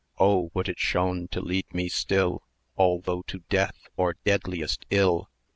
[ei] Oh! would it shone to lead me still, Although to death or deadliest ill!